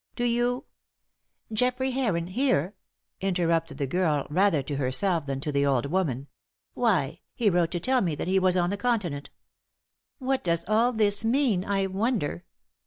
Do you " "Geoffrey Heron here?" interrupted the girl rather to herself than to the old woman. "Why, he wrote to tell me that he was on the Continent. What does all this mean, I wonder?"